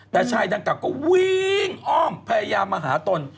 แต่ชายดังกล่าก็วิ่งอ้อมพยายามมาหาตน